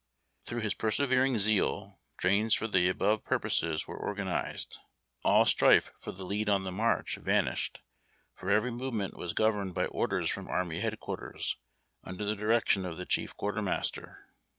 Through his persevering zeal, trains for the above purposes were organ ized. All strife for the lead on tlie march vanished, for every movement was governed by orders from army head quarters under the direction of the chief quarternuister.